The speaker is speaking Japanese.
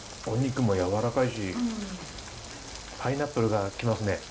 お肉もやわらかいしパイナップルが来ますね！